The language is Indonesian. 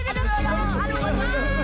masi jalur bocey